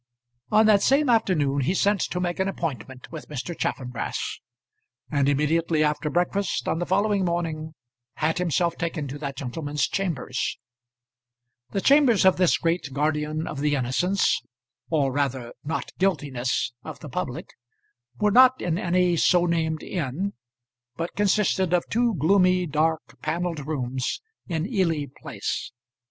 On that same afternoon he sent to make an appointment with Mr. Chaffanbrass, and immediately after breakfast, on the following morning, had himself taken to that gentleman's chambers. The chambers of this great guardian of the innocence or rather not guiltiness of the public were not in any so named inn, but consisted of two gloomy, dark, panelled rooms in Ely Place.